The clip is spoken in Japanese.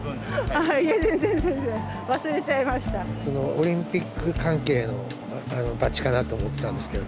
オリンピック関係のバッジかなと思ってたんですけど。